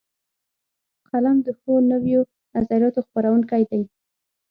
قلم د ښو نویو نظریاتو خپروونکی دی